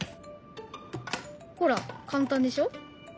ほら簡単でしょ。